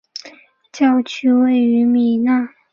教区位于米纳斯吉拉斯州中部。